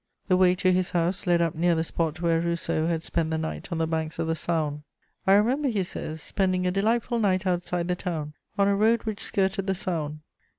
The way to his house led up near the spot where Rousseau had spent the night on the banks of the Saône: "I remember," he says, "spending a delightful night outside the town, on a road which skirted the Saône.